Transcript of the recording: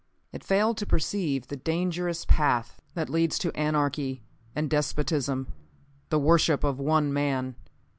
It failed to perceive the dangerous path that leads to anarchy and despotism the worship of one man.